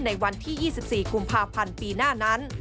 ในวันที่๒๔กุมภาพันธ์ปีหน้านั้น